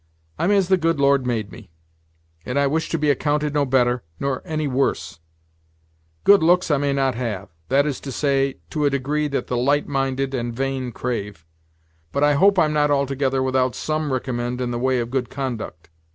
"I'm as the Lord made me; and I wish to be accounted no better, nor any worse. Good looks I may not have; that is to say, to a degree that the light minded and vain crave; but I hope I'm not altogether without some ricommend in the way of good conduct.